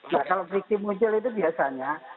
nah kalau friksi muncul itu biasanya